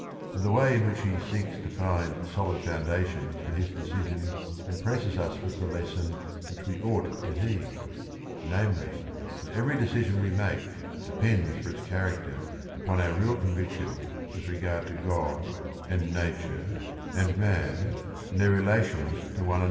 And the way in which he seeks to find solid foundations for his decision impresses us with the lesson which we ought to heed; namely, that every decision we make depends for its character upon our real conviction with regard to God and Nature and man, and their relations to one another.